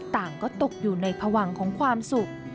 ต่างก็ตกอยู่ในพวังของความสุข